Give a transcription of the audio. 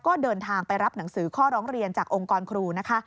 ก็เดินทางไปรับหนังสือข้อร้องเรียนจากองค์กรครูนะคะ